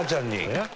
えっ？